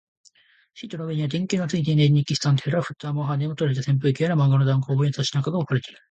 シートの上には、電球のついていない電気スタンドやら、蓋も羽も取れた扇風機やら、漫画の単行本や雑誌なんかが置かれている